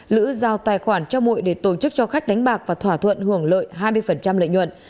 lữ giao tài khoản cho mụy để tổ chức cho khách đánh bạc và thỏa thuận hưởng lợi hai mươi lợi nhuận